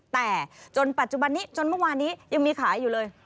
แต่จนปัจจุบันนี้จนเมื่อวานนี้ยังมีขายอยู่เลย